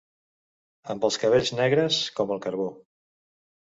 Amb els cabells negres com el carbó